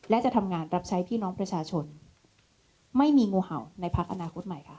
และจะทำงานรับใช้พี่น้องประชาชนไม่มีงูเห่าในพักอนาคตใหม่ค่ะ